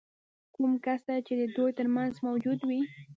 کوم کسر چې د دوی ترمنځ موجود دی